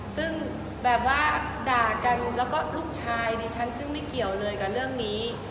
ซึ่งแบบว่าด่ากันแล้วก็ลูกชายดิฉันซึ่งไม่เกี่ยวเลยกับเรื่องนี้